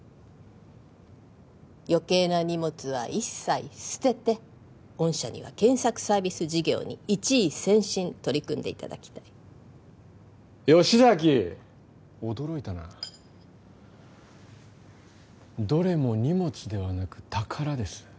余計な荷物は一切捨てて御社には検索サービス事業に一意専心取り組んでいただきたい吉崎驚いたなどれも荷物ではなく宝です